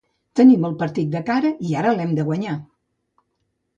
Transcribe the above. Tenim el partit de cara i ara l’hem de guanyar.